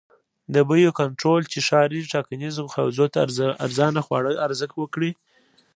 د بیو کنټرول چې ښاري ټاکنیزو حوزو ته ارزانه خواړه عرضه کړي.